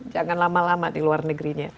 jangan lama lama di luar negerinya